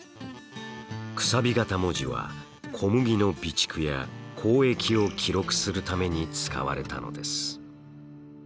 楔形文字は小麦の備蓄や交易を記録するために使われたのです。